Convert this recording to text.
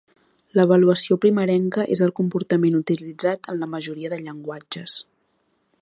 L'avaluació primerenca és el comportament utilitzat en la majoria de llenguatges.